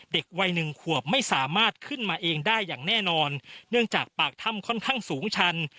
เด็กวัยหนึ่งขวบไม่สามารถขึ้นมาเองได้อย่างแน่นอนเนื่องจากปากถ้ำค่อนข้างสูงชัน